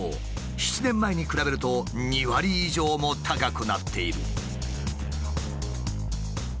７年前に比べると２割以上も高くなっている。